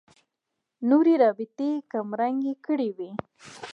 نورې رابطې یې کمرنګې کړې وي.